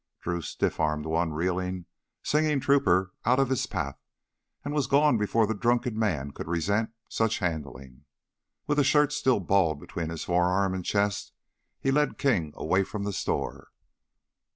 Drew stiff armed one reeling, singing trooper out of his path and was gone before the drunken man could resent such handling. With the shirts still balled between forearm and chest, he led King away from the store.